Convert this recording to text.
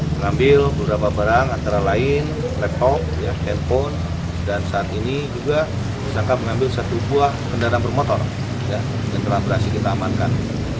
mengambil beberapa barang antara lain laptop handphone dan saat ini juga sangka mengambil satu buah kendaraan bermotor yang telah berhasil kita amankan